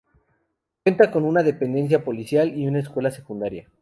Cuenta con una dependencia policial, y una escuela secundaria.